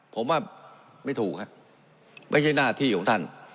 ผมว่าไม่ถูกครับไม่ใช่หน้าที่ของท่าน